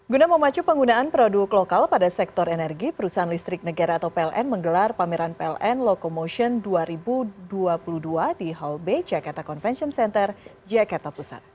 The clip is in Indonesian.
guna memacu penggunaan produk lokal pada sektor energi perusahaan listrik negara atau pln menggelar pameran pln locomotion dua ribu dua puluh dua di hall b jakarta convention center jakarta pusat